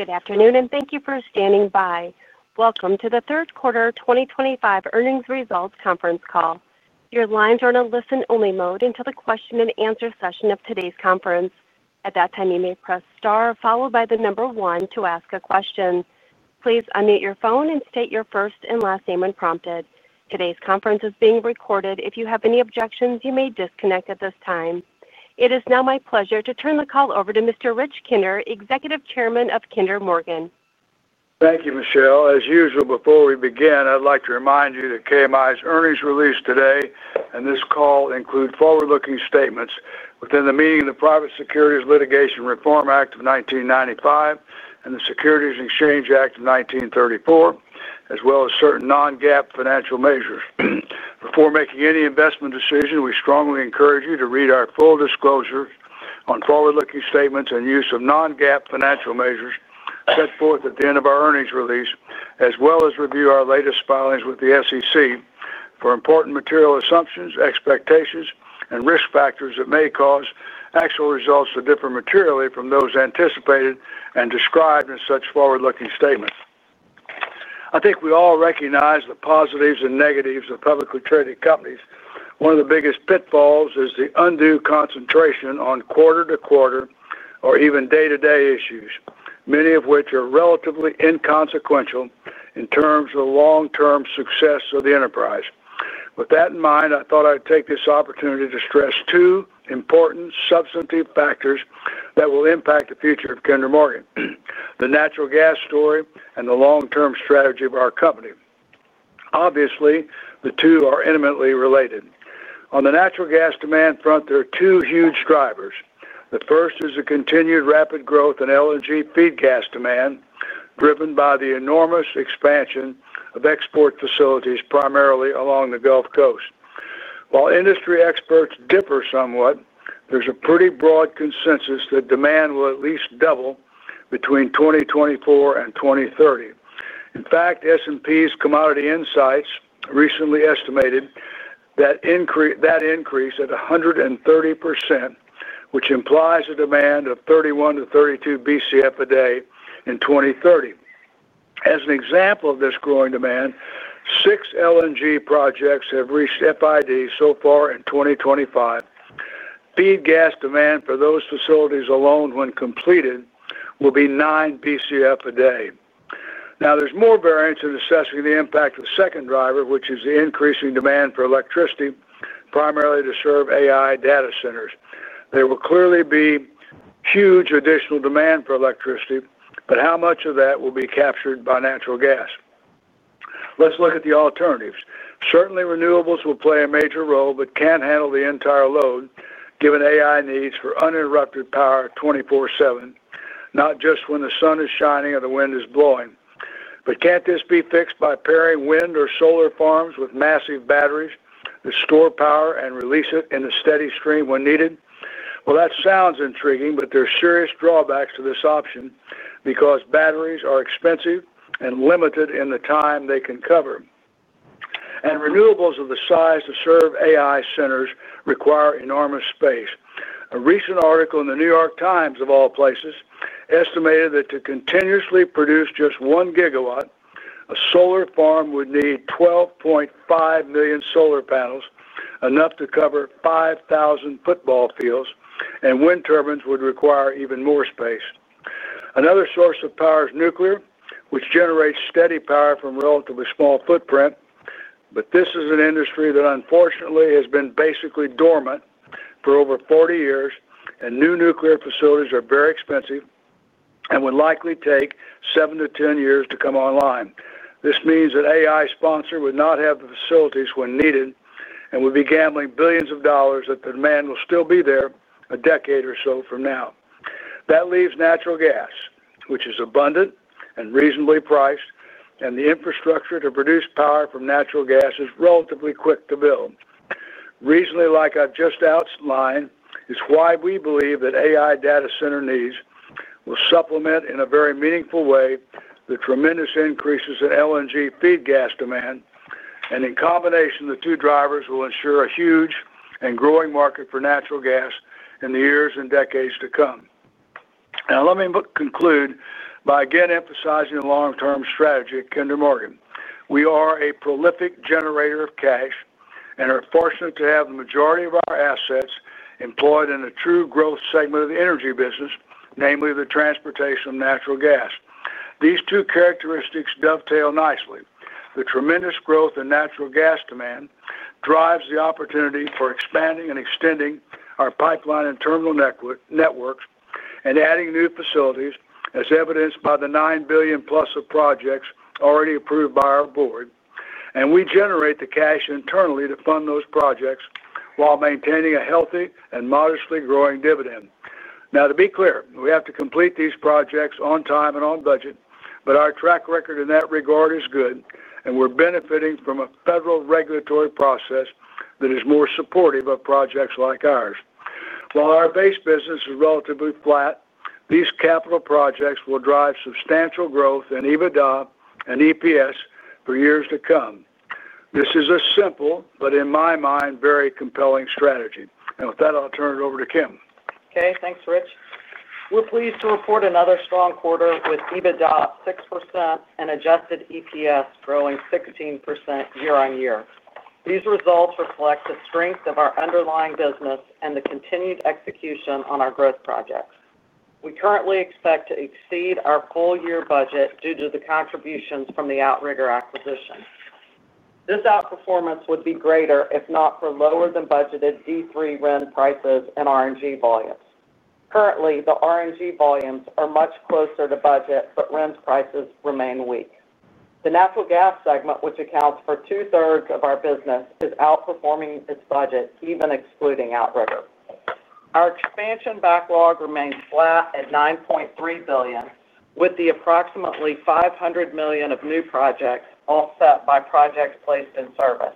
Good afternoon and thank you for standing by. Welcome to the Third Quarter 2025 Earnings Results conference call. Your lines are in a listen-only mode until the question and answer session of today's conference. At that time, you may press star followed by the number one to ask a question. Please unmute your phone and state your first and last name when prompted. Today's conference is being recorded. If you have any objections, you may disconnect at this time. It is now my pleasure to turn the call over to Mr. Rich Kinder, Executive Chairman of Kinder Morgan. Thank you, Michelle. As usual, before we begin, I'd like to remind you that KMI's earnings release today and this call include forward-looking statements within the meaning of the Private Securities Litigation Reform Act of 1995 and the Securities and Exchange Act of 1934, as well as certain non-GAAP financial measures. Before making any investment decision, we strongly encourage you to read our full disclosures on forward-looking statements and use of non-GAAP financial measures set forth at the end of our earnings release, as well as review our latest filings with the SEC for important material assumptions, expectations, and risk factors that may cause actual results to differ materially from those anticipated and described in such forward-looking statements. I think we all recognize the positives and negatives of publicly traded companies. One of the biggest pitfalls is the undue concentration on quarter-to-quarter or even day-to-day issues, many of which are relatively inconsequential in terms of the long-term success of the enterprise. With that in mind, I thought I'd take this opportunity to stress two important substantive factors that will impact the future of Kinder Morgan: the natural gas story and the long-term strategy of our company. Obviously, the two are intimately related. On the natural gas demand front, there are two huge drivers. The first is the continued rapid growth in LNG feed gas demand, driven by the enormous expansion of export facilities, primarily along the Gulf Coast. While industry experts differ somewhat, there's a pretty broad consensus that demand will at least double between 2024 and 2030. In fact, S&P's Commodity Insights recently estimated that increase at 130%, which implies a demand of 31 Bcf-32 Bcf a day in 2030. As an example of this growing demand, six LNG projects have reached FID so far in 2025. Feed gas demand for those facilities alone, when completed, will be 9 Bcf a day. Now, there's more variance in assessing the impact of the second driver, which is the increasing demand for electricity, primarily to serve AI data centers. There will clearly be huge additional demand for electricity, but how much of that will be captured by natural gas? Let's look at the alternatives. Certainly, renewables will play a major role, but can't handle the entire load given AI needs for uninterrupted power 24/7, not just when the sun is shining or the wind is blowing. Can't this be fixed by pairing wind or solar farms with massive batteries to store power and release it in a steady stream when needed? That sounds intriguing, but there are serious drawbacks to this option because batteries are expensive and limited in the time they can cover. Renewables of the size to serve AI data centers require enormous space. A recent article in The New York Times, of all places, estimated that to continuously produce just one gigawatt, a solar farm would need 12.5 million solar panels, enough to cover 5,000 football fields, and wind turbines would require even more space. Another source of power is nuclear, which generates steady power from a relatively small footprint. This is an industry that unfortunately has been basically dormant for over 40 years, and new nuclear facilities are very expensive and would likely take seven to ten years to come online. This means that AI sponsored would not have the facilities when needed and would be gambling billions of dollars that the demand will still be there a decade or so from now. That leaves natural gas, which is abundant and reasonably priced, and the infrastructure to produce power from natural gas is relatively quick to build. Reasonably, like I've just outlined, is why we believe that AI data center needs will supplement in a very meaningful way the tremendous increases in LNG feed gas demand. In combination, the two drivers will ensure a huge and growing market for natural gas in the years and decades to come. Let me conclude by again emphasizing the long-term strategy at Kinder Morgan. We are a prolific generator of cash and are fortunate to have the majority of our assets employed in a true growth segment of the energy business, namely the transportation of natural gas. These two characteristics dovetail nicely. The tremendous growth in natural gas demand drives the opportunity for expanding and extending our pipeline and terminal networks and adding new facilities, as evidenced by the $9+ billion of projects already approved by our board. We generate the cash internally to fund those projects while maintaining a healthy and modestly growing dividend. To be clear, we have to complete these projects on time and on budget, but our track record in that regard is good, and we're benefiting from a federal regulatory process that is more supportive of projects like ours. While our base business is relatively flat, these capital projects will drive substantial growth in EBITDA and EPS for years to come. This is a simple, but in my mind, very compelling strategy. With that, I'll turn it over to Kim. Okay, thanks, Rich. We're pleased to report another strong quarter with EBITDA up 6% and adjusted EPS growing 16% year on year. These results reflect the strength of our underlying business and the continued execution on our growth projects. We currently expect to exceed our full-year budget due to the contributions from the Outrigger acquisition. This outperformance would be greater if not for lower than budgeted D3 RIN prices and RNG volumes. Currently, the RNG volumes are much closer to budget, but RINs prices remain weak. The natural gas segment, which accounts for 2/3 of our business, is outperforming its budget, even excluding Outrigger. Our expansion backlog remains flat at $9.3 billion, with the approximately $500 million of new projects all offset by projects placed in service.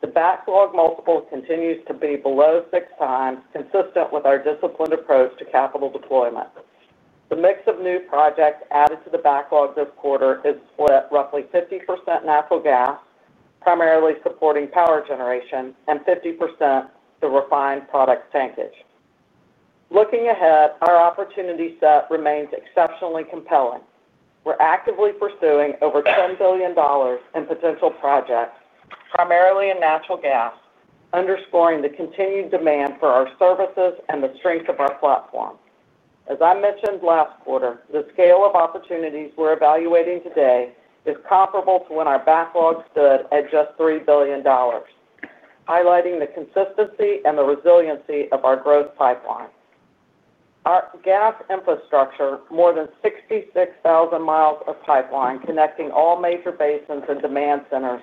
The backlog multiple continues to be below six times, consistent with our disciplined approach to capital deployment. The mix of new projects added to the backlog this quarter is split at roughly 50% natural gas, primarily supporting power generation, and 50% to refined product tankage. Looking ahead, our opportunity set remains exceptionally compelling. We're actively pursuing over $10 billion in potential projects, primarily in natural gas, underscoring the continued demand for our services and the strength of our platform. As I mentioned last quarter, the scale of opportunities we're evaluating today is comparable to when our backlog stood at just $3 billion, highlighting the consistency and the resiliency of our growth pipeline. Our gas infrastructure, more than 66,000 m of pipeline connecting all major basins and demand centers,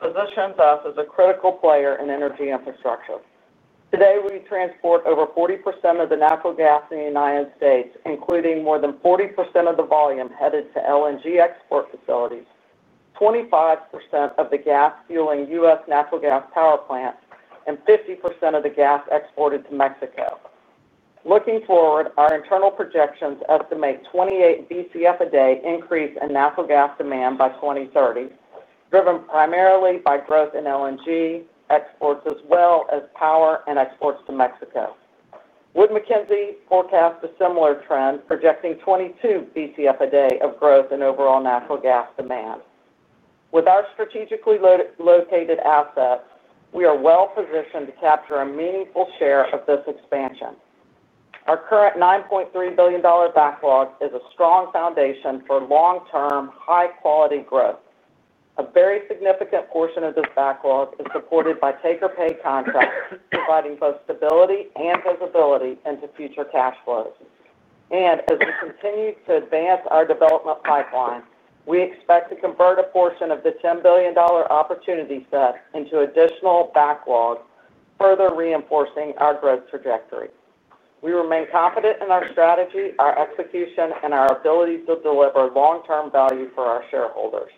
positions us as a critical player in energy infrastructure. Today, we transport over 40% of the natural gas in the U.S., including more than 40% of the volume headed to LNG export facilities, 25% of the gas fueling U.S. natural gas power plants, and 50% of the gas exported to Mexico. Looking forward, our internal projections estimate 28 Bcf a day increase in natural gas demand by 2030, driven primarily by growth in LNG exports, as well as power and exports to Mexico. Wood Mackenzie forecasts a similar trend, projecting 22 Bcf a day of growth in overall natural gas demand. With our strategically located assets, we are well positioned to capture a meaningful share of this expansion. Our current $9.3 billion backlog is a strong foundation for long-term, high-quality growth. A very significant portion of this backlog is supported by taker-pay contracts, providing both stability and visibility into future cash flows. As we continue to advance our development pipeline, we expect to convert a portion of the $10 billion opportunity set into additional backlog, further reinforcing our growth trajectory. We remain confident in our strategy, our execution, and our ability to deliver long-term value for our shareholders.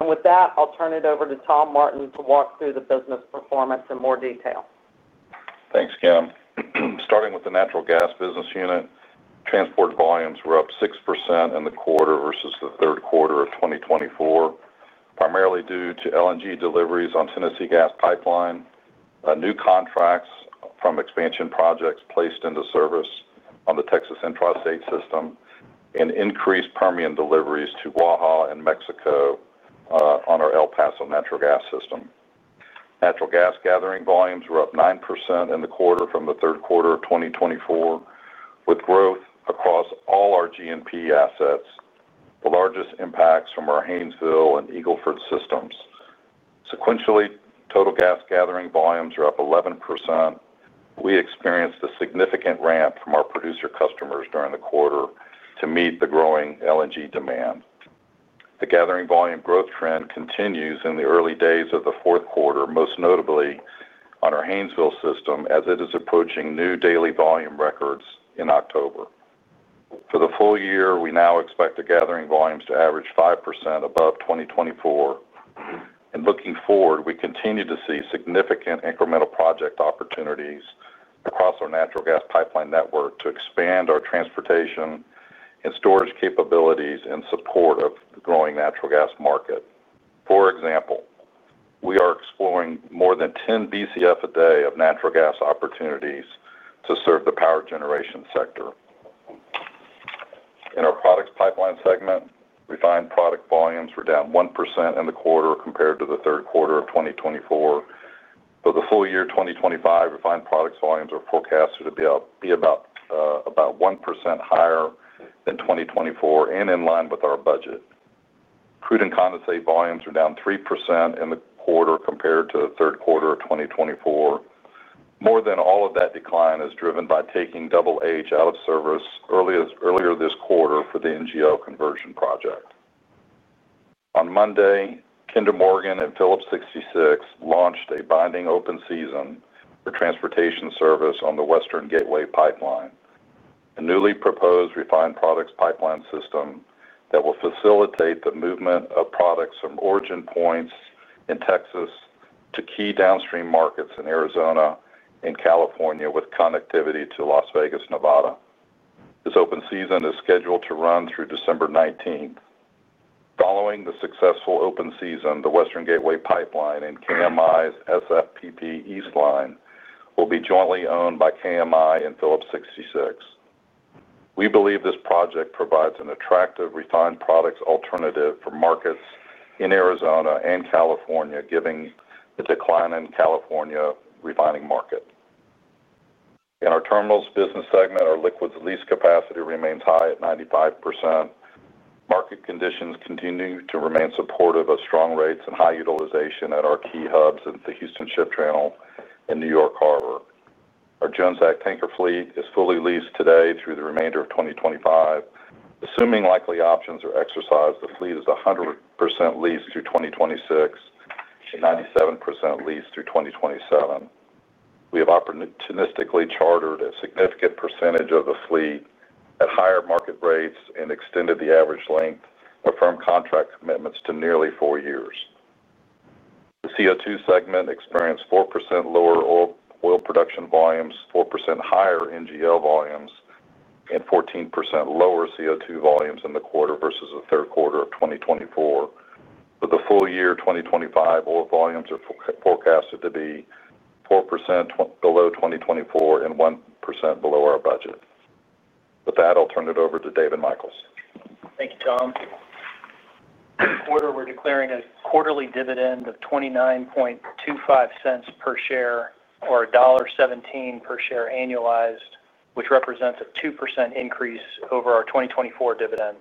With that, I'll turn it over to Tom Martin to walk through the business performance in more detail. Thanks, Kim. Starting with the natural gas business unit, transport volumes were up 6% in the quarter versus the third quarter of 2024, primarily due to LNG deliveries on the Tennessee Gas pipeline, new contracts from expansion projects placed into service on the Texas Intrastate system, and increased Permian deliveries to Waha and Mexico, on our El Paso natural gas system. Natural gas gathering volumes were up 9% in the quarter from the third quarter of 2024, with growth across all our G&P assets, the largest impacts from our Haynesville and Eagle Ford systems. Sequentially, total gas gathering volumes are up 11%. We experienced a significant ramp from our producer customers during the quarter to meet the growing LNG demand. The gathering volume growth trend continues in the early days of the fourth quarter, most notably on our Haynesville system, as it is approaching new daily volume records in October. For the full year, we now expect the gathering volumes to average 5% above 2024. Looking forward, we continue to see significant incremental project opportunities across our natural gas pipeline network to expand our transportation and storage capabilities in support of the growing natural gas market. For example, we are exploring more than 10 Bcf a day of natural gas opportunities to serve the power generation sector. In our Products Pipeline segment, refined product volumes were down 1% in the quarter compared to the third quarter of 2024. For the full year 2025, refined products volumes are forecasted to be about 1% higher than 2024 and in line with our budget. Crude and condensate volumes are down 3% in the quarter compared to the third quarter of 2024. More than all of that decline is driven by taking Double H out of service earlier this quarter for the NGL conversion project. On Monday, Kinder Morgan and Phillips 66 launched a binding open season for transportation service on the Western Gateway Pipeline, a newly proposed refined products pipeline system that will facilitate the movement of products from origin points in Texas to key downstream markets in Arizona and California, with connectivity to Las Vegas, Nevada. This open season is scheduled to run through December 19th. Following the successful open season, the Western Gateway Pipeline and KMI's SFPP East Line will be jointly owned by KMI and Phillips 66. We believe this project provides an attractive refined products alternative for markets in Arizona and California, given the decline in the California refining market. In our terminals business segment, our liquids lease capacity remains high at 95%. Market conditions continue to remain supportive of strong rates and high utilization at our key hubs in the Houston Ship Channel and New York Harbor. Our Jones Act tanker fleet is fully leased today through the remainder of 2025. Assuming likely options are exercised, the fleet is 100% leased through 2026 and 97% leased through 2027. We have opportunistically chartered a significant percentage of the fleet at higher market rates and extended the average length of firm contract commitments to nearly four years. The CO2 segment experienced 4% lower oil production volumes, 4% higher NGL volumes, and 14% lower CO2 volumes in the quarter versus the third quarter of 2024. For the full year 2025, oil volumes are forecasted to be 4% below 2024 and 1% below our budget. With that, I'll turn it over to David Michels. Thank you, Tom. The quarter we're declaring a quarterly dividend of $0.2925 per share, or $1.17 per share annualized, which represents a 2% increase over our 2024 dividend.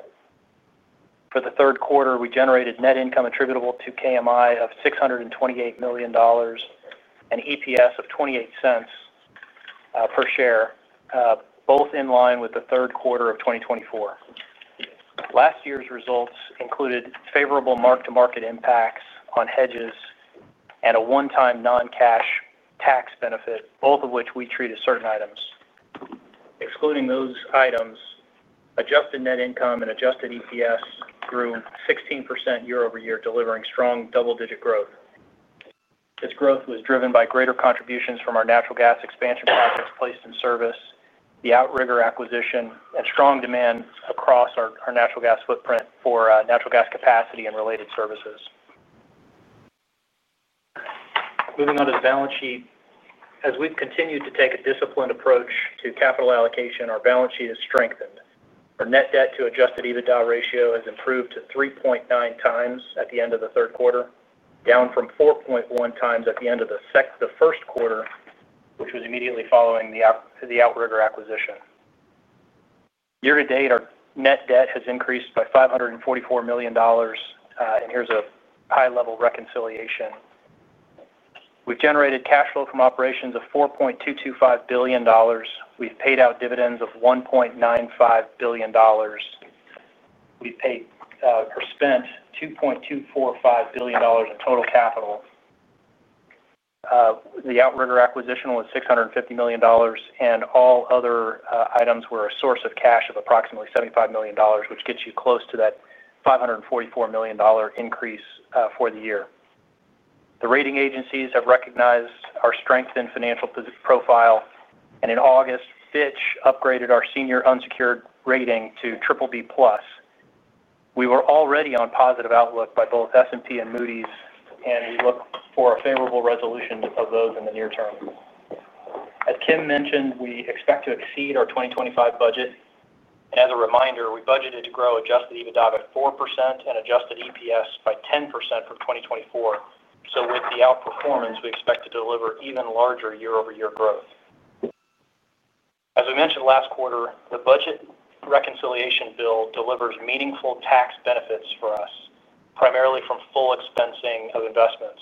For the third quarter, we generated net income attributable to KMI of $628 million and EPS of $0.28 per share, both in line with the third quarter of 2024. Last year's results included favorable mark-to-market impacts on hedges and a one-time non-cash tax benefit, both of which we treat as certain items. Excluding those items, adjusted net income and adjusted EPS grew 16% year-over-year, delivering strong double-digit growth. This growth was driven by greater contributions from our natural gas expansion projects placed in service, the Outrigger acquisition, and strong demand across our natural gas footprint for natural gas capacity and related services. Moving on to the balance sheet, as we've continued to take a disciplined approach to capital allocation, our balance sheet is strengthened. Our net debt to adjusted EBITDA ratio has improved to 3.9x at the end of the third quarter, down from 4.1x at the end of the first quarter, which was immediately following the Outrigger acquisition. Year to date, our net debt has increased by $544 million, and here's a high-level reconciliation. We've generated cash flow from operations of $4.225 billion. We've paid out dividends of $1.95 billion. We've spent $2.245 billion in total capital. The Outrigger acquisition was $650 million, and all other items were a source of cash of approximately $75 million, which gets you close to that $544 million increase for the year. The rating agencies have recognized our strength in financial profile, and in August, Fitch upgraded our senior unsecured rating to BBB+. We were already on a positive outlook by both S&P and Moody's, and we look for a favorable resolution of those in the near term. As Kim mentioned, we expect to exceed our 2025 budget. As a reminder, we budgeted to grow adjusted EBITDA by 4% and adjusted EPS by 10% from 2024. With the outperformance, we expect to deliver even larger year-over-year growth. As we mentioned last quarter, the budget reconciliation bill delivers meaningful tax benefits for us, primarily from full expensing of investments.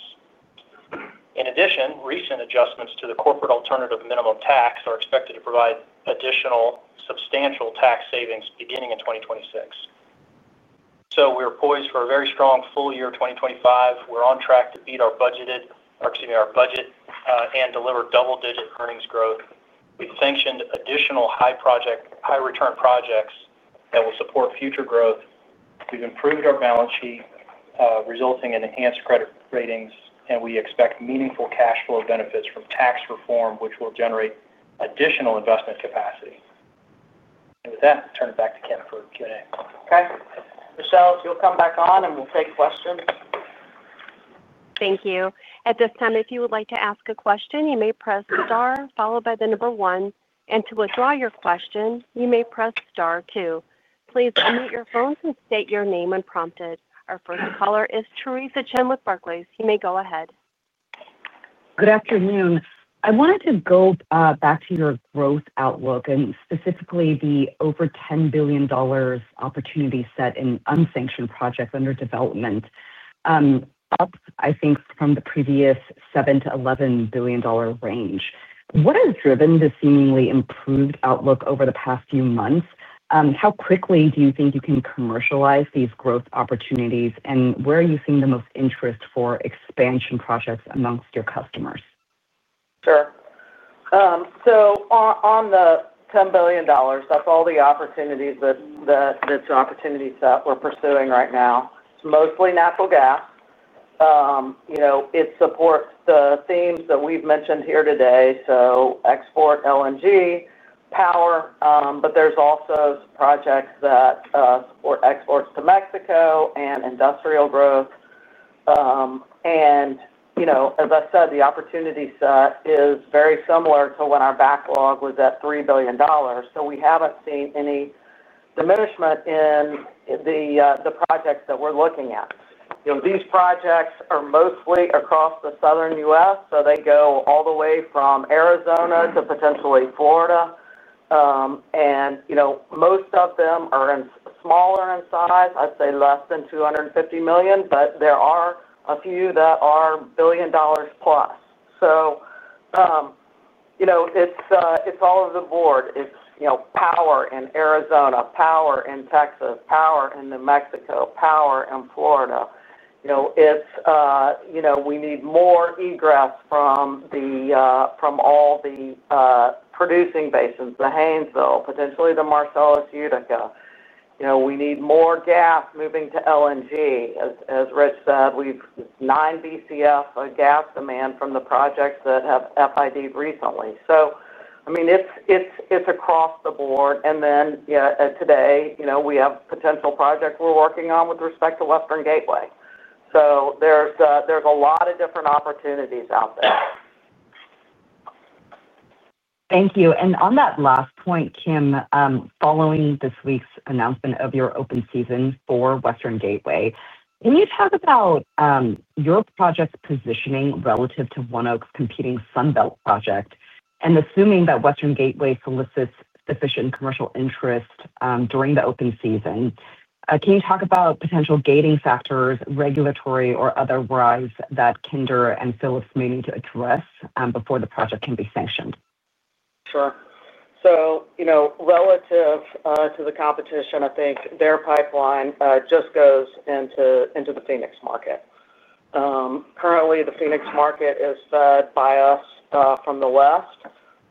In addition, recent adjustments to the corporate alternative minimum tax are expected to provide additional substantial tax savings beginning in 2026. We're poised for a very strong full year 2025. We're on track to beat our budget and deliver double-digit earnings growth. We've sanctioned additional high-return projects that will support future growth. We've improved our balance sheet, resulting in enhanced credit ratings, and we expect meaningful cash flow benefits from tax reform, which will generate additional investment capacity. With that, I'll turn it back to Kim for Q&A. Okay, Michelle, you'll come back on and we'll take questions. Thank you. At this time, if you would like to ask a question, you may press star followed by the number one, and to withdraw your question, you may press star two. Please unmute your phones and state your name when prompted. Our first caller is Theresa Chen with Barclays. You may go ahead. Good afternoon. I wanted to go back to your growth outlook and specifically the over $10 billion opportunity set in unsanctioned projects under development, up, I think, from the previous $7 billion-$11 billion range. What has driven this seemingly improved outlook over the past few months? How quickly do you think you can commercialize these growth opportunities, and where are you seeing the most interest for expansion projects amongst your customers? Sure. On the $10 billion, that's all the opportunities that we're pursuing right now. It's mostly natural gas. It supports the themes that we've mentioned here today, so export LNG, power, but there are also projects that support exports to Mexico and industrial growth. As I said, the opportunity set is very similar to when our backlog was at $3 billion. We haven't seen any diminishment in the projects that we're looking at. These projects are mostly across the Southern U.S., so they go all the way from Arizona to potentially Florida. Most of them are smaller in size. I'd say less than $250 million, but there are a few that are $1+ billion. It's all over the board. It's power in Arizona, power in Texas, power in New Mexico, power in Florida. We need more egress from all the producing basins, the Haynesville, potentially the Marcellus/Utica. We need more gas moving to LNG. As Rich said, we've 9 Bcf gas demand from the projects that have FID recently. It's across the board. Today, we have a potential project we're working on with respect to Western Gateway. There are a lot of different opportunities out there. Thank you. On that last point, Kim, following this week's announcement of your open season for Western Gateway, can you talk about your project's positioning relative to ONEOKs competing Sun Belt project? Assuming that Western Gateway solicits sufficient commercial interest during the open season, can you talk about potential gating factors, regulatory or otherwise, that Kinder and Phillips may need to address before the project can be sanctioned? Sure. Relative to the competition, I think their pipeline just goes into the Phoenix market. Currently, the Phoenix market is fed by us from the west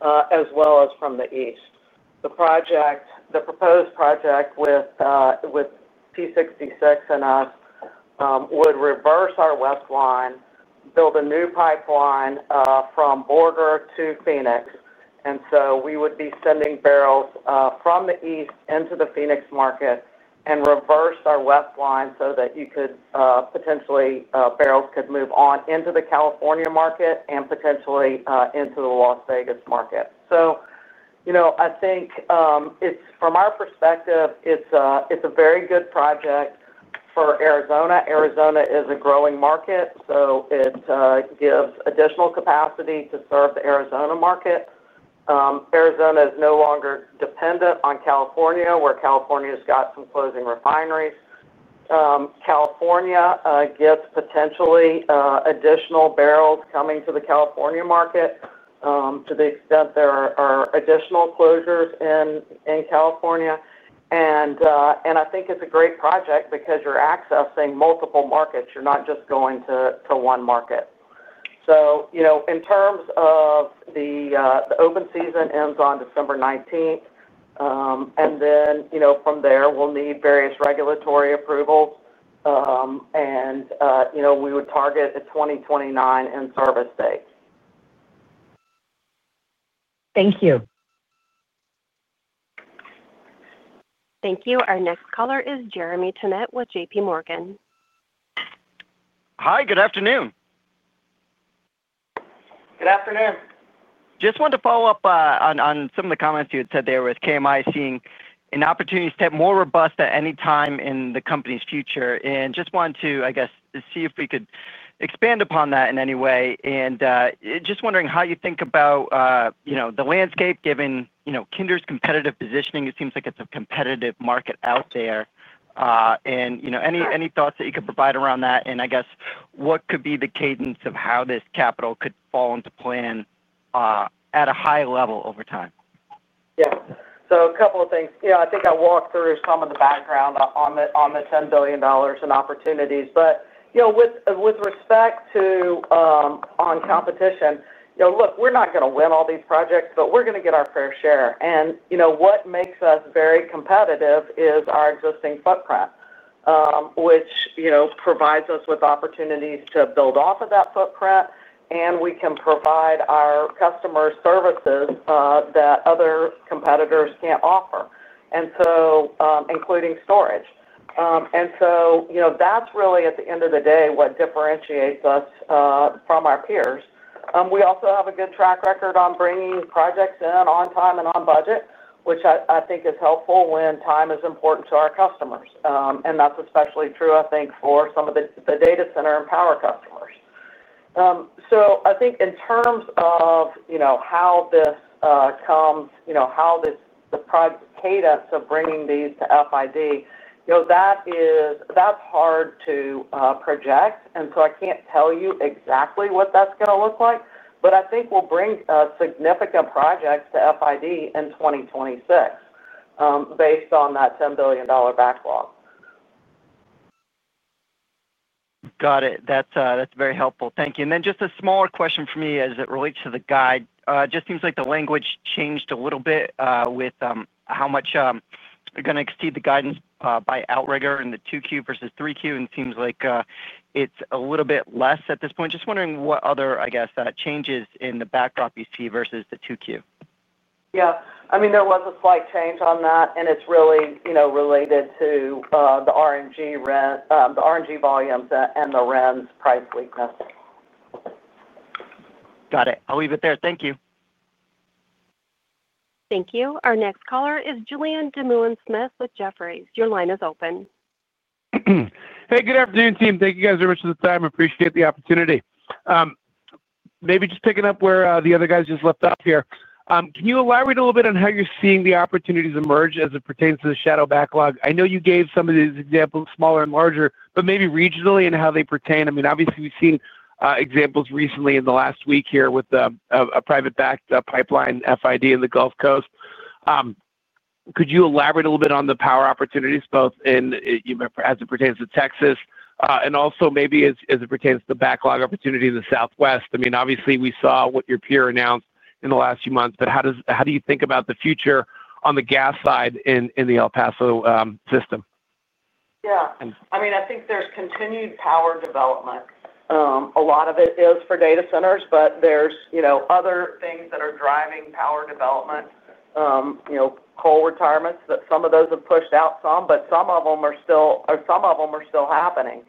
as well as from the east. The proposed project with P66 and us would reverse our west line, build a new pipeline from the border to Phoenix. We would be sending barrels from the east into the Phoenix market and reverse our west line so that barrels could move on into the California market and potentially into the Las Vegas market. I think it's from our perspective, it's a very good project for Arizona. Arizona is a growing market, so it gives additional capacity to serve the Arizona market. Arizona is no longer dependent on California, where California's got some closing refineries. California gets potentially additional barrels coming to the California market to the extent there are additional closures in California. I think it's a great project because you're accessing multiple markets. You're not just going to one market. In terms of the open season, it ends on December 19th. From there, we'll need various regulatory approvals, and we would target a 2029 in-service date. Thank you. Thank you. Our next caller is Jeremy Tonet with JPMorgan. Hi, good afternoon. Good afternoon. Just wanted to follow up on some of the comments you had said there with KMI seeing an opportunity to have more robust at any time in the company's future. I just wanted to see if we could expand upon that in any way. I am wondering how you think about the landscape given Kinder's competitive positioning. It seems like it's a competitive market out there. Any thoughts that you could provide around that? What could be the cadence of how this capital could fall into plan at a high level over time? Yeah. A couple of things. I think I walked through some of the background on the $10 billion in opportunities. With respect to competition, look, we're not going to win all these projects, but we're going to get our fair share. What makes us very competitive is our existing footprint, which provides us with opportunities to build off of that footprint. We can provide our customer services that other competitors can't offer, including storage. That's really, at the end of the day, what differentiates us from our peers. We also have a good track record on bringing projects in on time and on budget, which I think is helpful when time is important to our customers. That's especially true, I think, for some of the data center and power customers. I think in terms of how this comes, how the project cadence of bringing these to FID, that is hard to project. I can't tell you exactly what that's going to look like, but I think we'll bring a significant project to FID in 2026 based on that $10 billion backlog. Got it. That's very helpful. Thank you. Just a smaller question for me as it relates to the guide. It just seems like the language changed a little bit with how much they're going to exceed the guidance by Outrigger in the 2Q versus 3Q, and it seems like it's a little bit less at this point. Just wondering what other changes in the backdrop you see versus the 2Q. Yeah, there was a slight change on that, and it's really related to the RNG volumes and the RINs price weakness. Got it. I'll leave it there. Thank you. Thank you. Our next caller is Julien Dumoulin-Smith with Jefferies. Your line is open. Hey, good afternoon, team. Thank you guys very much for the time. I appreciate the opportunity. Maybe just picking up where the other guys just left off here. Can you elaborate a little bit on how you're seeing the opportunities emerge as it pertains to the shadow backlog? I know you gave some of these examples, smaller and larger, but maybe regionally and how they pertain. Obviously, we've seen examples recently in the last week here with a private-backed pipeline FID in the Gulf Coast. Could you elaborate a little bit on the power opportunities, both in you as it pertains to Texas and also maybe as it pertains to the backlog opportunity in the Southwest? Obviously, we saw what your peer announced in the last few months, but how do you think about the future on the gas side in the El Paso system? Yeah. I mean, I think there's continued power development. A lot of it is for data centers, but there's other things that are driving power development. Coal retirements, some of those have pushed out some, but some of them are still happening.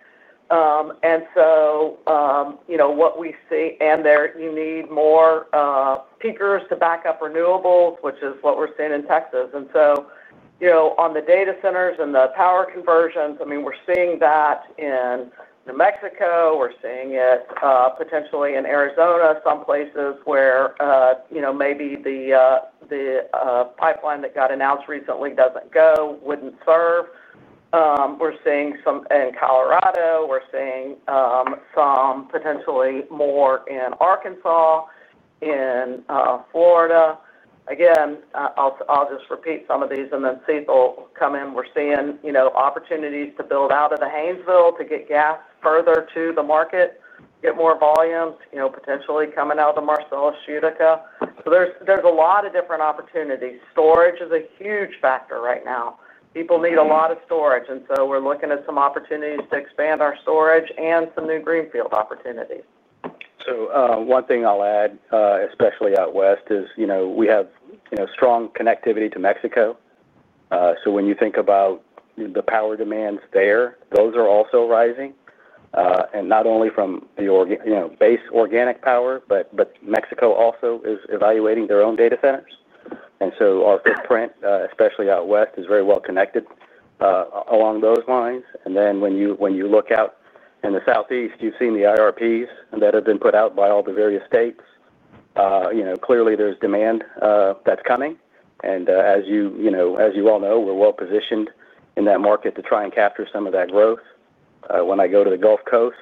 What we see is you need more peakers to back up renewables, which is what we're seeing in Texas. On the data centers and the power conversions, we're seeing that in New Mexico. We're seeing it potentially in Arizona, some places where maybe the pipeline that got announced recently wouldn't serve. We're seeing some in Colorado. We're seeing some potentially more in Arkansas, in Florida. Again, I'll just repeat some of these and then see if they'll come in. We're seeing opportunities to build out of the Haynesville to get gas further to the market, get more volumes, potentially coming out of the Marcellus/Utica. There's a lot of different opportunities. Storage is a huge factor right now. People need a lot of storage. We're looking at some opportunities to expand our storage and some new greenfield opportunities. One thing I'll add, especially out west, is we have strong connectivity to Mexico. When you think about the power demands there, those are also rising, not only from the base organic power, but Mexico also is evaluating their own data centers. Our footprint, especially out west, is very well connected along those lines. When you look out in the Southeast, you've seen the IRPs that have been put out by all the various states. Clearly, there's demand that's coming, and as you all know, we're well positioned in that market to try and capture some of that growth. When I go to the Gulf Coast,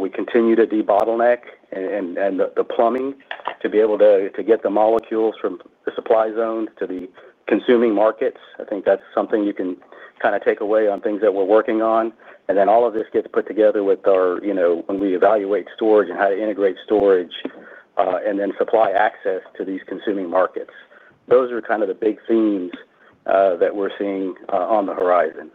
we continue to debottleneck the plumbing to be able to get the molecules from the supply zone to the consuming markets. I think that's something you can kind of take away on things that we're working on. All of this gets put together when we evaluate storage and how to integrate storage and then supply access to these consuming markets. Those are kind of the big themes that we're seeing on the horizon.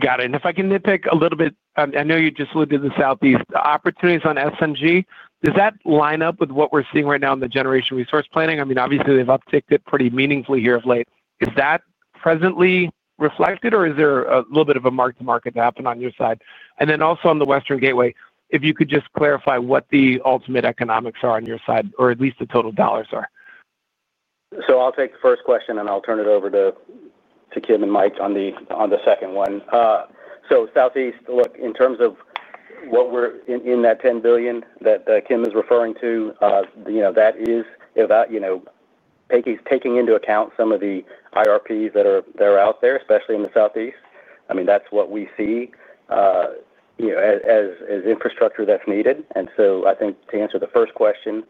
Got it. If I can nitpick a little bit, I know you just looked at the Southeast opportunities on SNG. Does that line up with what we're seeing right now in the generation resource planning? Obviously, they've upticked it pretty meaningfully here of late. Is that presently reflected or is there a little bit of a mark-to-market to happen on your side? Also, on the Western Gateway, if you could just clarify what the ultimate economics are on your side or at least the total dollars are. I'll take the first question and I'll turn it over to Kim and Mike on the second one. In terms of what we're in that $10 billion that Kim is referring to, that is taking into account some of the IRPs that are out there, especially in the Southeast. That's what we see as infrastructure that's needed. I think to answer the first question,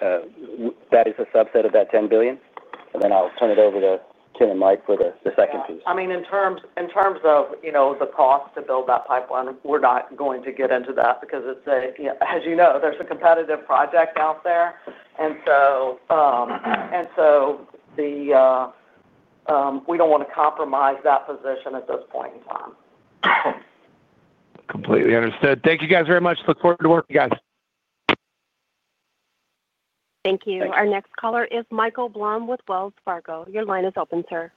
that is a subset of that $10 billion. I'll turn it over to Kim and Mike for the second piece. I mean, in terms of, you know, the cost to build that pipeline, we're not going to get into that because it's a, you know, as you know, there's a competitive project out there. We don't want to compromise that position at this point in time. Completely understood. Thank you guys very much. Look forward to working with you guys. Thank you. Our next caller is Michael Blum with Wells Fargo. Your line is open, sir.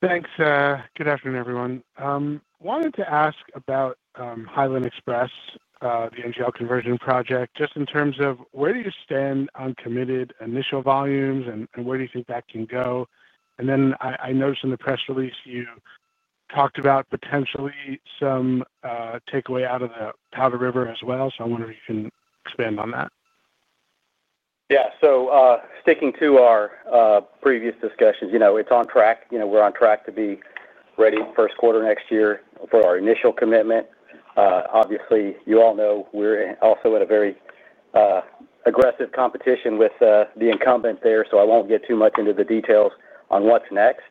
Thanks. Good afternoon, everyone. Wanted to ask about Hiland Express, the NGL conversion project, just in terms of where do you stand on committed initial volumes and where do you think that can go? I noticed in the press release you talked about potentially some takeaway out of the Powder River as well. I wonder if you can expand on that. Yeah. Sticking to our previous discussions, it's on track. We're on track to be ready first quarter next year for our initial commitment. Obviously, you all know we're also at a very aggressive competition with the incumbent there, so I won't get too much into the details on what's next.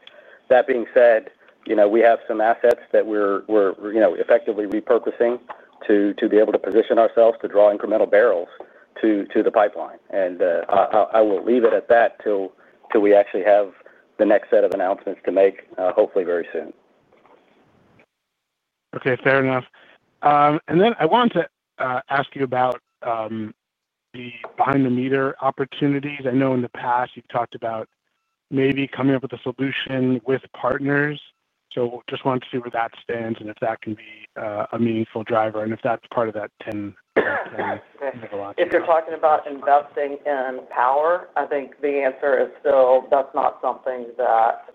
That being said, we have some assets that we're effectively repurposing to be able to position ourselves to draw incremental barrels to the pipeline. I will leave it at that till we actually have the next set of announcements to make, hopefully, very soon. Okay, fair enough. I wanted to ask you about the behind-the-meter opportunities. I know in the past you've talked about maybe coming up with a solution with partners. I just wanted to see where that stands and if that can be a meaningful driver and if that's part of that [$10 billion]. If you're talking about investing in power, I think the answer is still that's not something that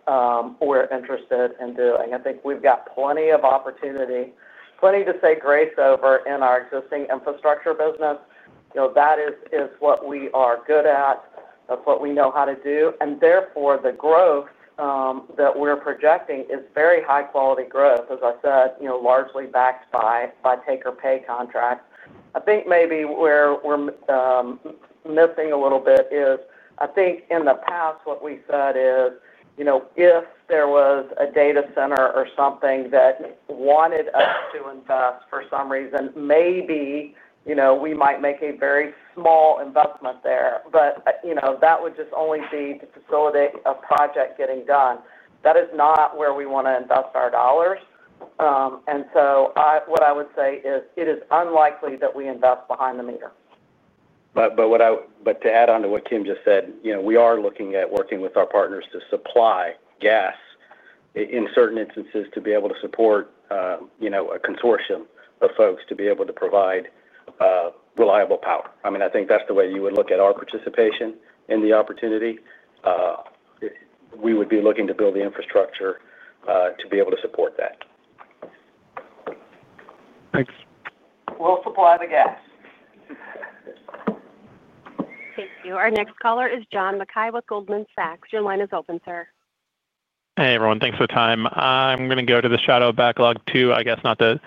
we're interested in doing. I think we've got plenty of opportunity, plenty to say grace over in our existing infrastructure business. That is what we are good at. That's what we know how to do, and therefore, the growth that we're projecting is very high-quality growth. As I said, largely backed by taker-pay contracts. I think maybe where we're missing a little bit is I think in the past what we said is, if there was a data center or something that wanted us to invest for some reason, maybe we might make a very small investment there. That would just only be to facilitate a project getting done. That is not where we want to invest our dollars. What I would say is it is unlikely that we invest behind the meter. What I would add on to what Kim just said, we are looking at working with our partners to supply gas in certain instances to be able to support a consortium of folks to be able to provide reliable power. I think that's the way you would look at our participation in the opportunity. We would be looking to build the infrastructure to be able to support that. Thanks. We'll supply the gas. Thank you. Our next caller is John Mackay with Goldman Sachsc. Your line is open, sir. Hey everyone, thanks for the time. I'm going to go to the shadow backlog too, I guess not to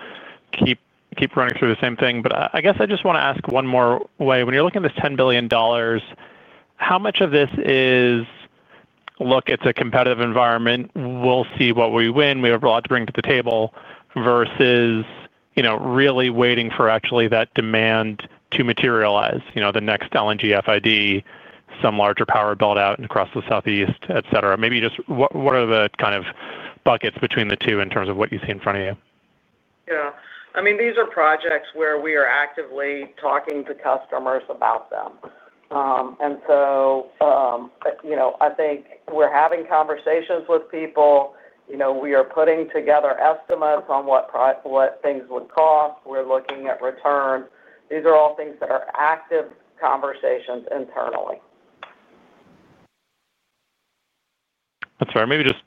keep running through the same thing, but I just want to ask one more way. When you're looking at this $10 billion, how much of this is, look, it's a competitive environment. We'll see what we win. We have a lot to bring to the table versus really waiting for actually that demand to materialize, you know, the next LNG FID, some larger power build-out across the Southeast, etc. Maybe just what are the kind of buckets between the two in terms of what you see in front of you? Yeah. I mean, these are projects where we are actively talking to customers about them. I think we're having conversations with people. We are putting together estimates on what things would cost. We're looking at returns. These are all things that are active conversations internally. That's fair. Maybe just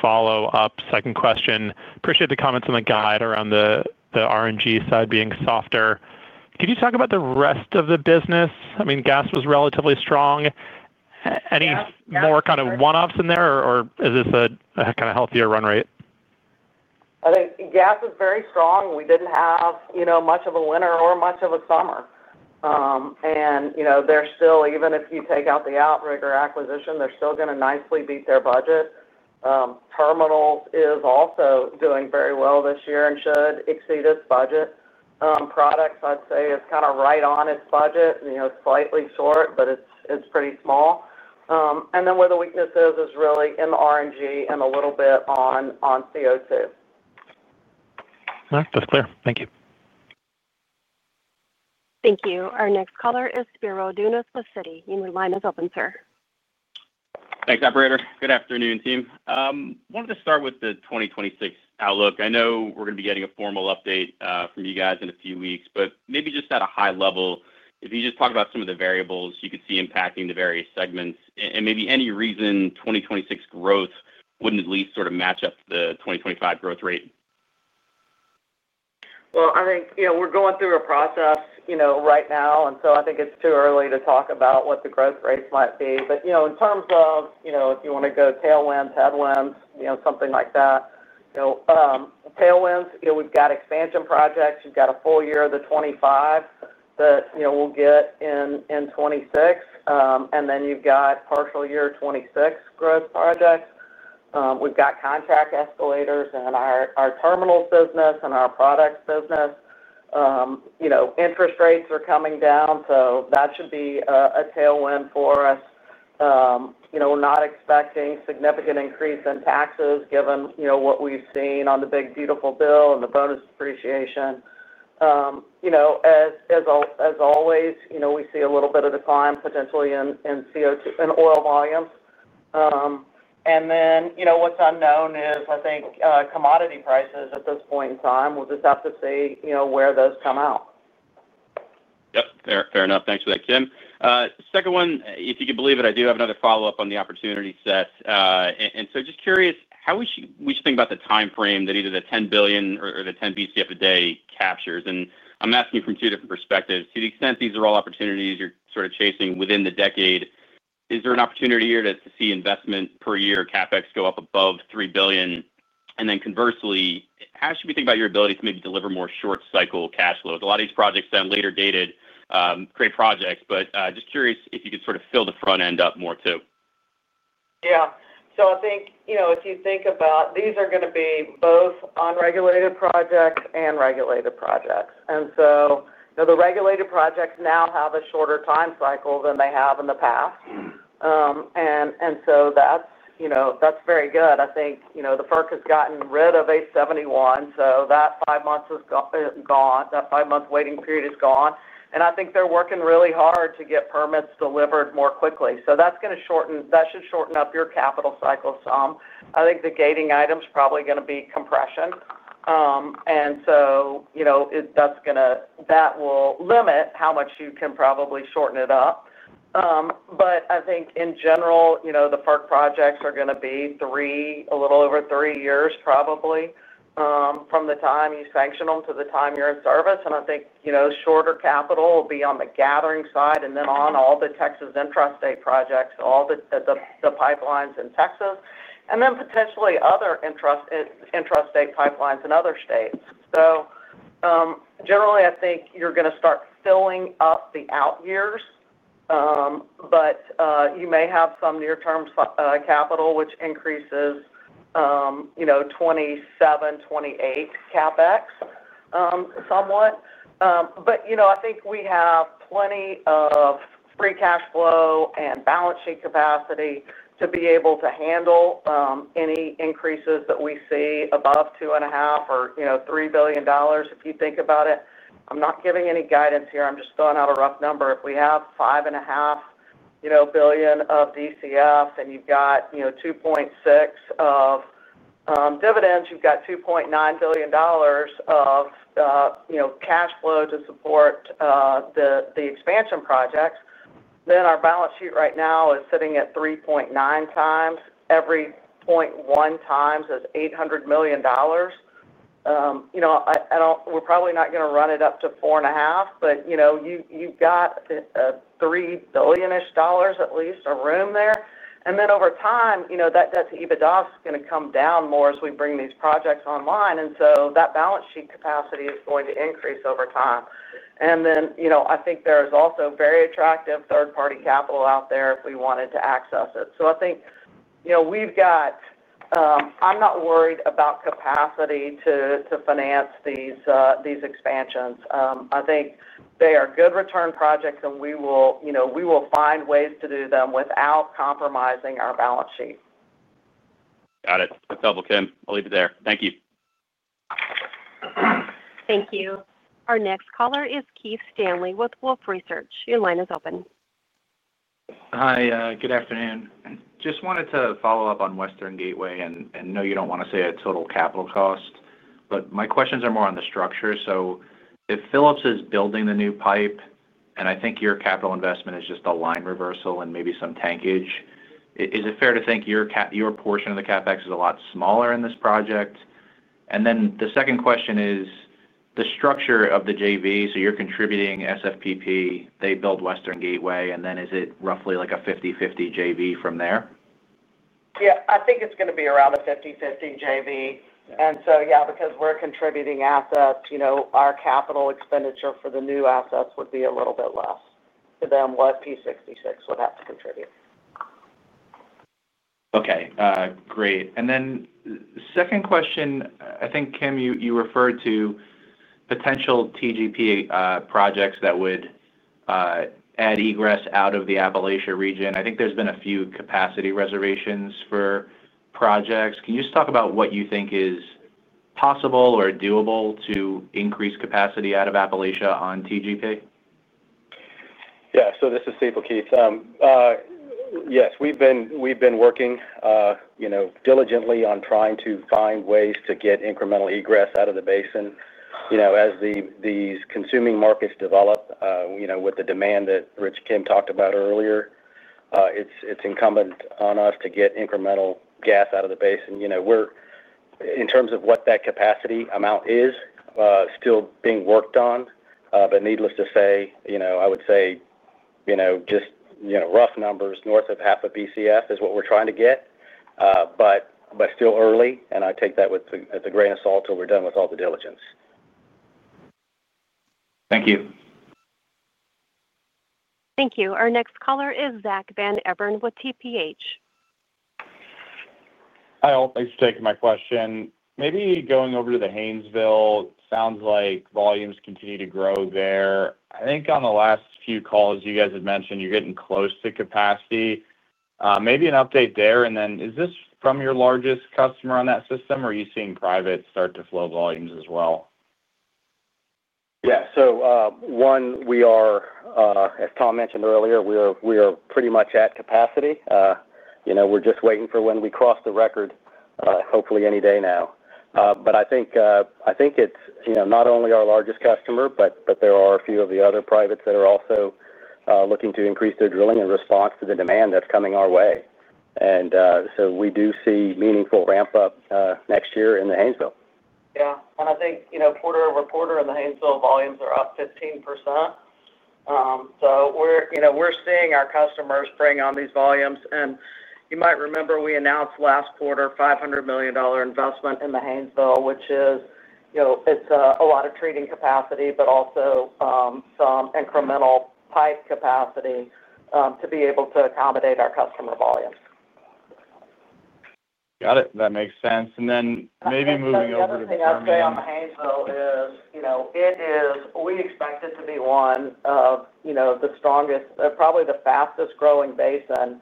follow up second question. Appreciate the comments on the guide around the RNG side being softer. Can you talk about the rest of the business? I mean, gas was relatively strong. Any more kind of one-offs in there, or is this a kind of healthier run rate? I think gas is very strong. We didn't have, you know, much of a winter or much of a summer. You know, they're still, even if you take out the Outrigger acquisition, they're still going to nicely beat their budget. Terminals is also doing very well this year and should exceed its budget. Products, I'd say, is kind of right on its budget, you know, slightly short, but it's pretty small. Where the weakness is, is really in the RNG and a little bit on CO2. All right, that's clear. Thank you. Thank you. Our next caller is Spiro Dounis with Citi. Your line is open, sir. Thanks, operator. Good afternoon, team. Wanted to start with the 2026 outlook. I know we're going to be getting a formal update from you guys in a few weeks, but maybe just at a high level, if you could just talk about some of the variables you could see impacting the various segments and maybe any reason 2026 growth wouldn't at least sort of match up the 2025 growth rate. I think we're going through a process right now. I think it's too early to talk about what the growth rates might be. In terms of tailwinds, headwinds, something like that, tailwinds, we've got expansion projects. You've got a full year of the 2025 that we'll get in in 2026, and then you've got partial year 2026 growth projects. We've got contract escalators in our terminals business and our products business. Interest rates are coming down, so that should be a tailwind for us. We're not expecting a significant increase in taxes given what we've seen on the Big Beautiful Bill and the bonus depreciation. As always, we see a little bit of decline potentially in CO2 and oil volumes. What's unknown is, I think, commodity prices at this point in time. We'll just have to see where those come out. Yep, fair enough. Thanks for that, Kim. Second one, if you can believe it, I do have another follow-up on the opportunity set. Just curious, how would you think about the timeframe that either the $10 billion or the 10 Bcf a day captures? I'm asking from two different perspectives. To the extent these are all opportunities you're sort of chasing within the decade, is there an opportunity here to see investment per year CapEx go up above $3 billion? Conversely, how should we think about your ability to maybe deliver more short cycle cash flows? A lot of these projects sound later dated, great projects, but I'm just curious if you could sort of fill the front end up more too. Yeah. I think, you know, if you think about these are going to be both unregulated projects and regulated projects. The regulated projects now have a shorter time cycle than they have in the past, and that's very good. I think the FERC has gotten rid of 871, so that five months has gone. That five-month waiting period is gone. I think they're working really hard to get permits delivered more quickly. That's going to shorten, that should shorten up your capital cycle some. I think the gating item is probably going to be compression, and that's going to, that will limit how much you can probably shorten it up. I think in general, the FERC projects are going to be three, a little over three years probably, from the time you sanction them to the time you're in service. I think shorter capital will be on the gathering side and then on all the Texas intrastate projects, all the pipelines in Texas, and then potentially other intrastate pipelines in other states. Generally, I think you're going to start filling up the out years, but you may have some near-term capital, which increases, you know, 2027, 2028 CapEx, somewhat. I think we have plenty of free cash flow and balance sheet capacity to be able to handle any increases that we see above $2.5 billion or, you know, $3 billion if you think about it. I'm not giving any guidance here. I'm just throwing out a rough number. If we have $5.5 billion of DCF and you've got $2.6 billion of dividends, you've got $2.9 billion of cash flow to support the expansion projects. Then our balance sheet right now is sitting at 3.9x, every 0.1x is $800 million. I don't, we're probably not going to run it up to 4.5x, but you've got a $3 billion-ish dollars at least of room there. Over time, that debt to EBITDA is going to come down more as we bring these projects online. That balance sheet capacity is going to increase over time. I think there is also very attractive third-party capital out there if we wanted to access it. I think we've got, I'm not worried about capacity to finance these expansions. I think they are good return projects and we will find ways to do them without compromising our balance sheet. Got it. That's helpful, Kim. I'll leave it there. Thank you. Thank you. Our next caller is Keith Stanley with Wolfe Research. Your line is open. Hi, good afternoon. Just wanted to follow up on Western Gateway and know you don't want to say a total capital cost, but my questions are more on the structure. If Phillips is building the new pipe, and I think your capital investment is just a line reversal and maybe some tankage, is it fair to think your portion of the CapEx is a lot smaller in this project? The second question is the structure of the JV. You're contributing SFPP, they build Western Gateway, and then is it roughly like a 50/50 JV from there? Yeah, I think it's going to be around a 50/50 JV. Yeah, because we're contributing assets, our capital expenditure for the new assets would be a little bit less than what P66 would have to contribute. Okay, great. The second question, I think, Kim, you referred to potential TGP projects that would add egress out of the Appalachia region. I think there's been a few capacity reservations for projects. Can you just talk about what you think is possible or doable to increase capacity out of Appalachia on TGP? Yeah, so this is Sital, Keith. Yes, we've been working diligently on trying to find ways to get incremental egress out of the basin. As these consuming markets develop, with the demand that Rich, Kim talked about earlier, it's incumbent on us to get incremental gas out of the basin. In terms of what that capacity amount is, it's still being worked on. Needless to say, I would say just rough numbers north of 0.5 Bcf is what we're trying to get. It's still early, and I take that with a grain of salt till we're done with all the diligence. Thank you. Thank you. Our next caller is Zack Van Everen with TPH. Hi all, thanks for taking my question. Maybe going over to the Haynesville, sounds like volumes continue to grow there. I think on the last few calls you guys had mentioned you're getting close to capacity. Maybe an update there. Is this from your largest customer on that system, or are you seeing private start to flow volumes as well? Yeah, so, as Tom mentioned earlier, we are pretty much at capacity. We're just waiting for when we cross the record, hopefully any day now. I think it's not only our largest customer, but there are a few of the other privates that are also looking to increase their drilling in response to the demand that's coming our way. We do see meaningful ramp-up next year in the Haynesville. Yeah, I think, you know, quarter-over-quarter in the Haynesville, volumes are up 15%. We're seeing our customers bring on these volumes. You might remember we announced last quarter a $500 million investment in the Haynesville, which is a lot of trading capacity, but also some incremental pipe capacity to be able to accommodate our customer volumes. Got it. That makes sense. Maybe moving over to. The other thing I'd say on the Haynesville is, you know, we expect it to be one of the strongest, probably the fastest growing basin.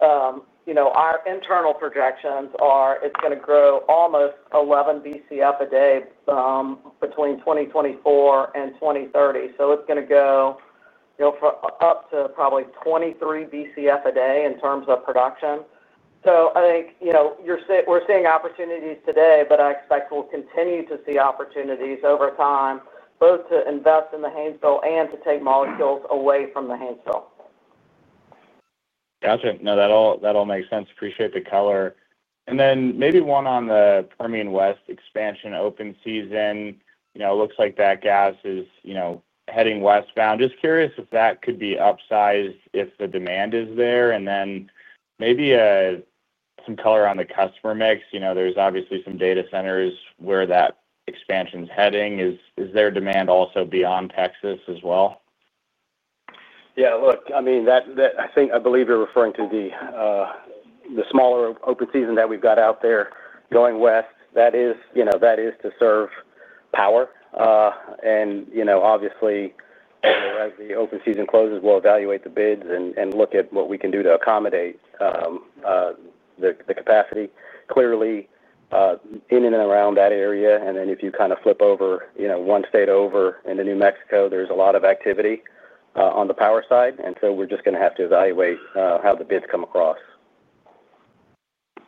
Our internal projections are it's going to grow almost 11 Bcf a day between 2024 and 2030. It's going to go up to probably 23 Bcf a day in terms of production. I think we're seeing opportunities today, but I expect we'll continue to see opportunities over time, both to invest in the Haynesville and to take molecules away from the Haynesville. Gotcha. No, that all makes sense. Appreciate the color. Maybe one on the Permian West expansion open season. It looks like that gas is heading westbound. Just curious if that could be upsized if the demand is there. Maybe some color on the customer mix. There's obviously some data centers where that expansion is heading. Is there demand also beyond Texas as well? Yeah, look, I mean, I think you're referring to the smaller open season that we've got out there going west. That is to serve power, and, you know, obviously, as the open season closes, we'll evaluate the bids and look at what we can do to accommodate the capacity, clearly in and around that area. If you kind of flip over one state over into New Mexico, there's a lot of activity on the power side. We're just going to have to evaluate how the bids come across.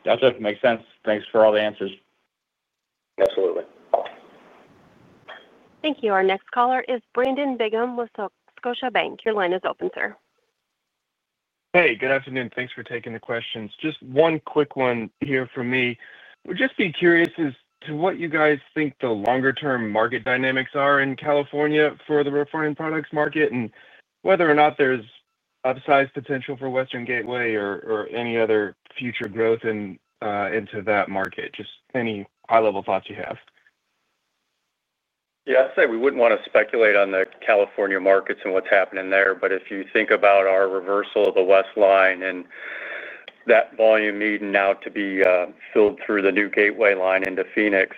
Gotcha. Makes sense. Thanks for all the answers. Absolutely. Thank you. Our next caller is Brandon Bingham with Scotiabank. Your line is open, sir. Hey, good afternoon. Thanks for taking the questions. Just one quick one here for me. Would just be curious as to what you guys think the longer-term market dynamics are in California for the refined products market and whether or not there's upsize potential for Western Gateway or any other future growth into that market. Just any high-level thoughts you have. Yeah, I'd say we wouldn't want to speculate on the California markets and what's happening there. If you think about our reversal of the west line and that volume needing now to be filled through the new gateway line into Phoenix,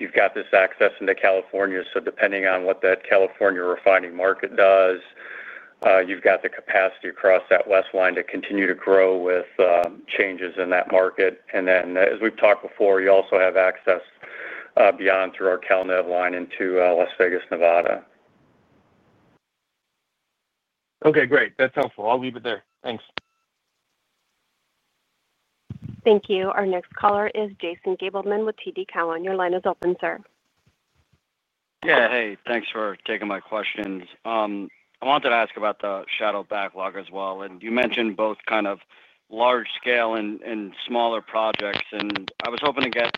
you've got this access into California. Depending on what that California refining market does, you've got the capacity across that west line to continue to grow with changes in that market. As we've talked before, you also have access beyond through our Calnev line into Las Vegas, Nevada. Okay, great. That's helpful. I'll leave it there. Thanks. Thank you. Our next caller is Jason Gabelman with TD Cowen. Your line is open, sir. Yeah, hey, thanks for taking my questions. I wanted to ask about the shadow backlog as well. You mentioned both kind of large scale and smaller projects. I was hoping to get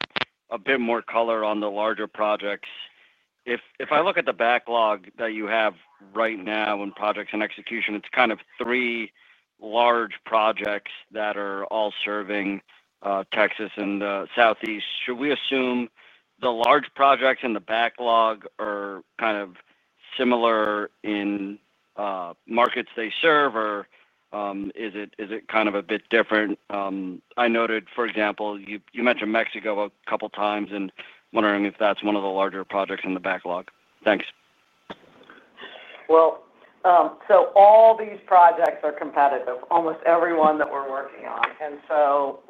a bit more color on the larger projects. If I look at the backlog that you have right now in projects in execution, it's kind of three large projects that are all serving Texas and the Southeast. Should we assume the large projects in the backlog are kind of similar in markets they serve, or is it kind of a bit different? I noted, for example, you mentioned Mexico a couple of times and wondering if that's one of the larger projects in the backlog. Thanks. All these projects are competitive, almost every one that we're working on.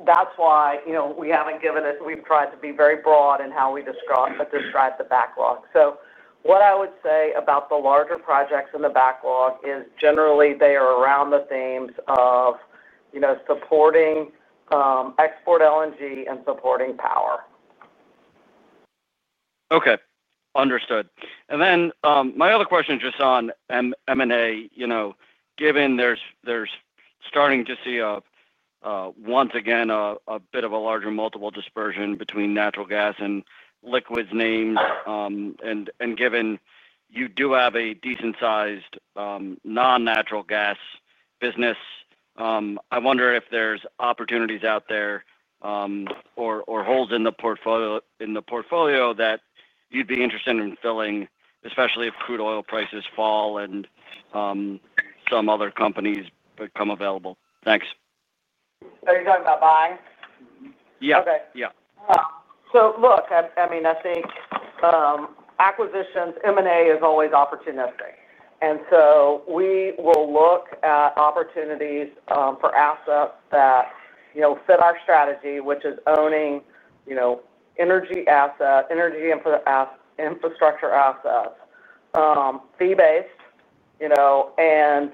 That's why, you know, we haven't given it, we've tried to be very broad in how we describe the backlog. What I would say about the larger projects in the backlog is generally they are around the themes of, you know, supporting LNG exports and supporting power. Okay. Understood. My other question is just on M&A. Given there's starting to see, once again, a bit of a larger multiple dispersion between natural gas and liquids names, and given you do have a decent-sized, non-natural gas business, I wonder if there's opportunities out there, or holes in the portfolio that you'd be interested in filling, especially if crude oil prices fall and some other companies become available. Thanks. Are you talking about buying? Yeah. Okay. Yeah. I mean, I think acquisitions, M&A is always opportunistic. We will look at opportunities for assets that fit our strategy, which is owning energy assets, energy infrastructure assets, fee-based, and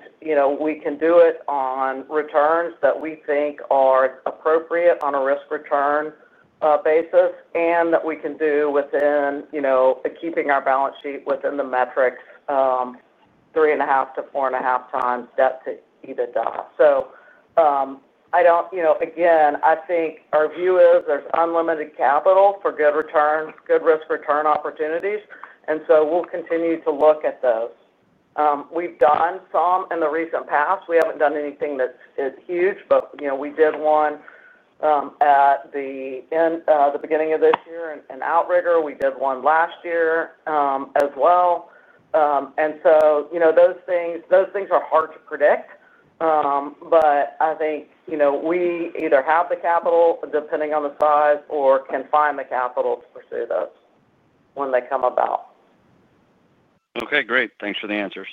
we can do it on returns that we think are appropriate on a risk return basis, and that we can do within keeping our balance sheet within the metrics, 3.5x-4.5x debt to EBITDA. I don't, I think our view is there's unlimited capital for good returns, good risk return opportunities. We will continue to look at those. We've done some in the recent past. We haven't done anything that's huge, but we did one at the beginning of this year in Outrigger. We did one last year as well. Those things are hard to predict. I think we either have the capital, depending on the size, or can find the capital to pursue those when they come about. Okay, great. Thanks for the answers.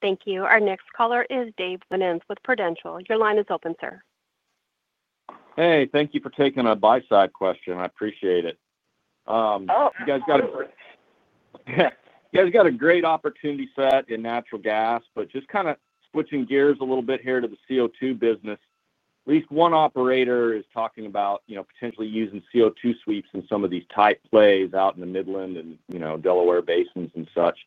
Thank you. Our next caller is Dave Winans with Prudential. Your line is open, sir. Hey, thank you for taking a buy-side question. I appreciate it. Oh, you guys got a great opportunity set in natural gas, but just kind of switching gears a little bit here to the CO2 business. At least one operator is talking about, you know, potentially using CO2 sweeps in some of these tight plays out in the Midland and, you know, Delaware Basins and such.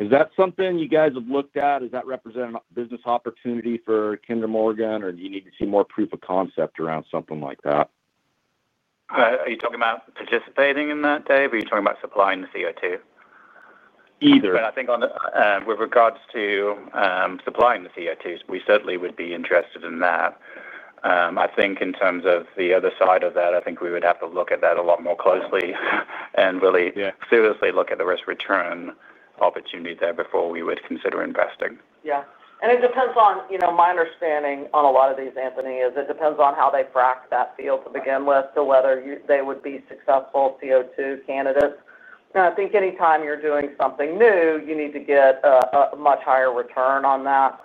Is that something you guys have looked at? Does that represent a business opportunity for Kinder Morgan, or do you need to see more proof of concept around something like that? Are you talking about participating in that, Dave, or are you talking about supplying the CO2? Either. I think with regards to supplying the CO2, we certainly would be interested in that. I think in terms of the other side of that, we would have to look at that a lot more closely and really seriously look at the risk return opportunity there before we would consider investing. Yeah. It depends on, you know, my understanding on a lot of these, Anthony, it depends on how they frack that field to begin with, to whether they would be successful CO2 candidates. I think anytime you're doing something new, you need to get a much higher return on that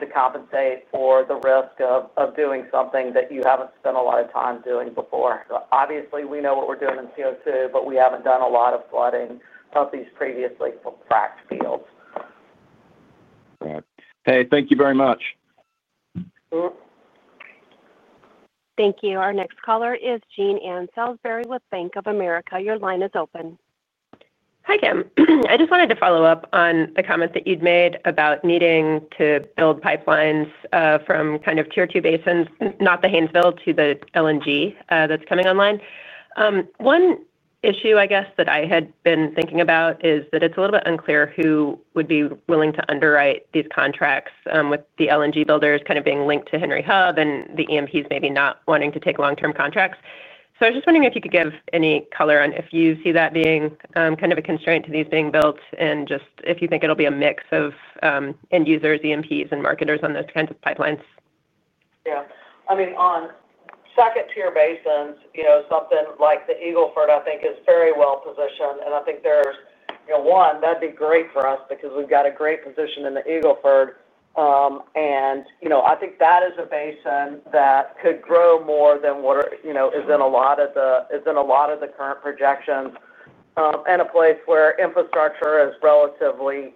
to compensate for the risk of doing something that you haven't spent a lot of time doing before. Obviously, we know what we're doing in CO2, but we haven't done a lot of flooding of these previously fracked fields. Right. Thank you very much. Thank you. Our next caller is Jean Ann Salisbury with Bank of America. Your line is open. Hi Kim. I just wanted to follow up on the comments that you'd made about needing to build pipelines from kind of Tier 2 basins, not the Haynesville to the LNG that's coming online. One issue, I guess, that I had been thinking about is that it's a little bit unclear who would be willing to underwrite these contracts with the LNG builders kind of being linked to Henry Hub and the E&Ps maybe not wanting to take long-term contracts. I was just wondering if you could give any color on if you see that being kind of a constraint to these being built and just if you think it'll be a mix of end users, E&Ps, and marketers on those kinds of pipelines. Yeah. I mean, on second-tier basins, you know, something like the Eagle Ford, I think, is very well positioned. I think there's, you know, one, that'd be great for us because we've got a great position in the Eagle Ford. I think that is a basin that could grow more than what is in a lot of the current projections, and a place where infrastructure is relatively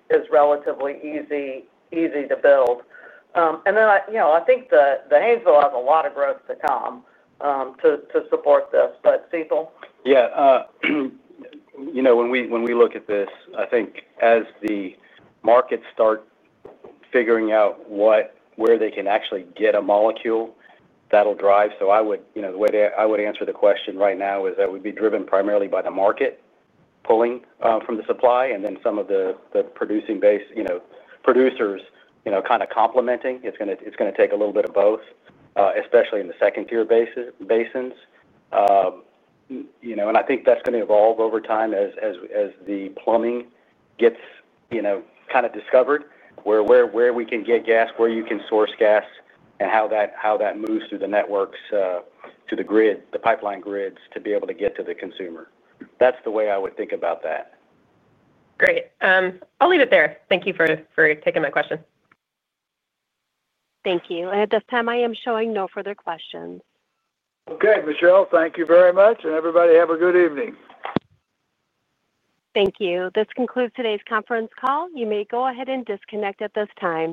easy to build. I think the Haynesville has a lot of growth to come to support this. But Sital? Yeah, you know, when we look at this, I think as the markets start figuring out where they can actually get a molecule, that'll drive. I would, you know, the way that I would answer the question right now is that would be driven primarily by the market pulling from the supply and then some of the producing base, you know, producers, kind of complementing. It's going to take a little bit of both, especially in the second-tier basins. I think that's going to evolve over time as the plumbing gets discovered, where we can get gas, where you can source gas, and how that moves through the networks, to the grid, the pipeline grids to be able to get to the consumer. That's the way I would think about that. Great. I'll leave it there. Thank you for taking my question. Thank you. At this time, I am showing no further questions. Okay, Michelle, thank you very much. Everybody, have a good evening. Thank you. This concludes today's conference call. You may go ahead and disconnect at this time.